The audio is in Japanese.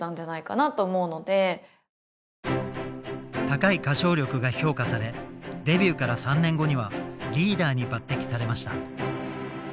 高い歌唱力が評価されデビューから３年後にはリーダーに抜てきされました。